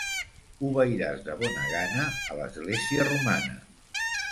Obeiràs de bona gana a l'Església romana.